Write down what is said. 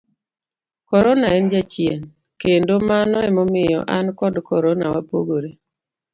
corona en Jachien, kendo mano emomiyo an kod corona wapogore